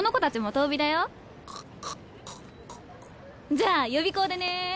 じゃあ予備校でね。